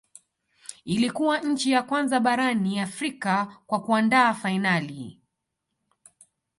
Ilikuwa nchi ya kwanza barani Afrika kwa kuandaa fainali